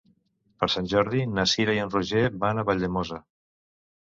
Per Sant Jordi na Cira i en Roger van a Valldemossa.